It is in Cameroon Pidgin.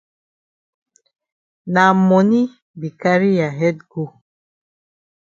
Na moni be carry ya head go.